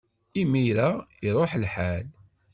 Imir-a, iṛuḥ lḥal.